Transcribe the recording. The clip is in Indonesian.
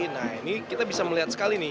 nah ini kita bisa melihat sekali nih